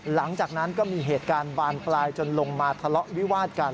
หลังจากนั้นก็มีเหตุการณ์บานปลายจนลงมาทะเลาะวิวาดกัน